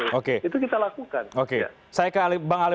oke itu kita lakukan oke saya ke bang ali